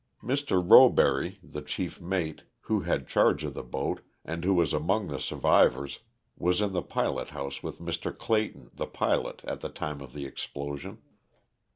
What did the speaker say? Mr. Roberry, the chief mate, who had charge of the boat, and who was among the survivors, was in the pilot house with Mr. Claton, the pilot, at the time of the explosion.